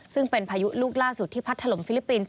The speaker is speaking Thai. ซึ่งเป็นพายุลูกล่าสุดที่พัดถล่มฟิลิปปินส์